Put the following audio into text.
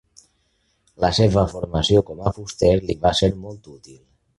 La seva formació com a fuster li va ser molt útil.